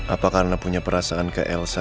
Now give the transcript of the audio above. apa karena punya perasaan ke elsa